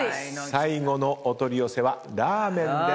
最後のお取り寄せはラーメンです。